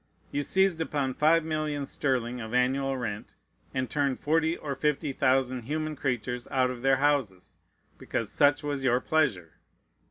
You seized upon five millions sterling of annual rent, and turned forty or fifty thousand human creatures out of their houses, because "such was your pleasure."